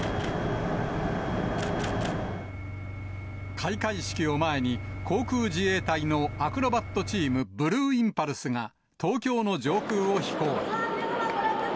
開会式を前に、航空自衛隊のアクロバットチーム、ブルーインパルスが東京の上空を飛行。